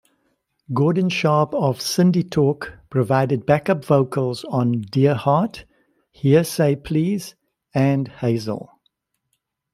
Gordon Sharp of Cindytalk provided backup vocals on "Dear Heart", "Hearsay Please", and "Hazel".